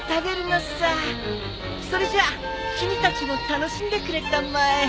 それじゃあ君たちも楽しんでくれたまえ。